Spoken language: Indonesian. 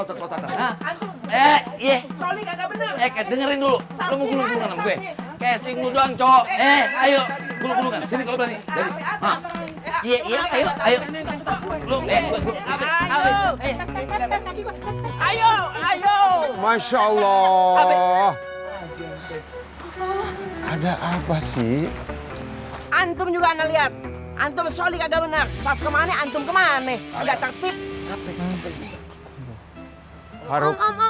ada apa sih antum juga lihat antum sholik agak bener